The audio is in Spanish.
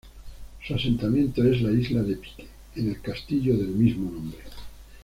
Su asentamiento es la isla de Pyke, en el castillo del mismo nombre.